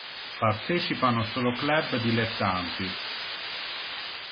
Partecipano solo club dilettanti.